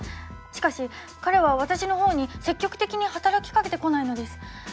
しかし彼は私の方に積極的に働きかけてこないのです。